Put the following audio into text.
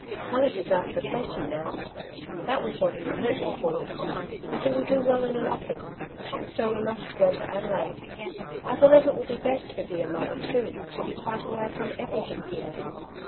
College is out of the question now ; that was what he was fitting for ; but he will do well in an office, and so we must go to Adelaide. I believe it will be best for dear mother, too, to be quite away from everything here.''